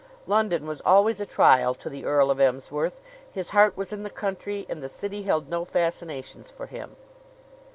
London was always a trial to the Earl of Emsworth. His heart was in the country and the city held no fascinations for him.